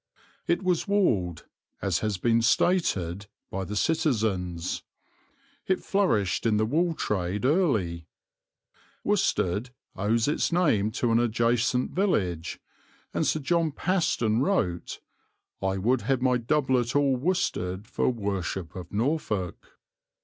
It was walled, as has been stated, by the citizens; it flourished in the wool trade early. "Worsted" owes its name to an adjacent village, and Sir John Paston wrote: "I would have my doublet all worsted for worship of Norfolk."